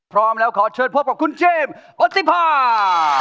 พร้อมแล้วขอเชิญพบกับคุณเจมส์โอติภา